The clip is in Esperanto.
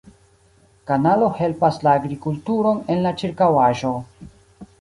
Kanalo helpas la agrikulturon en la ĉirkaŭaĵo.